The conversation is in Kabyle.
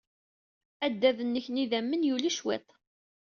Adad-nnek n yidammen yuli cwiṭ.